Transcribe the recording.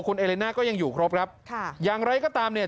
คุณเอเลน่าก็ยังอยู่ครบครับค่ะอย่างไรก็ตามเนี่ย